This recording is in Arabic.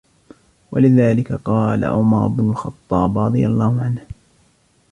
وَلِذَلِكَ قَالَ عُمَرُ بْنُ الْخَطَّابِ رَضِيَ اللَّهُ عَنْهُ